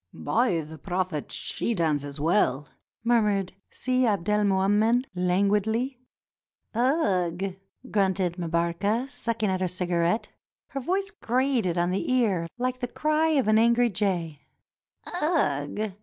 "By the Prophet, she dances well," murmured Si Abdelmoummen languidly. "Ugh!" grunted Mbarka, sucking at her cigarette; her voice grated on the ear Hke the cry of an angry jay. " Ugh